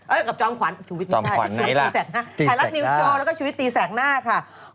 เอ๊ะกับจอมขวัญชุวิตไม่ใช่ชุวิตตีแสกหน้าไทรลักษณ์นิวช่องแล้วก็ชุวิตตีแสกหน้าค่ะ